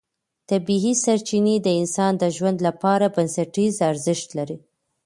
طبیعي سرچینې د انسان د ژوند لپاره بنسټیز ارزښت لري